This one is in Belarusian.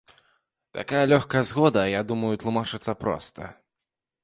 Такая лёгкая згода, я думаю, тлумачыцца проста.